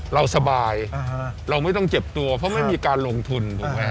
เราสบายเราไม่ต้องเจ็บตัวเพราะไม่มีการลงทุนถูกไหม